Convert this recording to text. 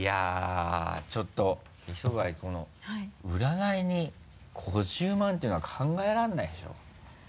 占いに５０万っていうのは考えられないでしょ？